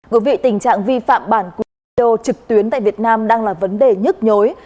của vị tình trạng vi phạm bản quyền video trực tuyến tại việt nam đang là vấn đề nhất nhối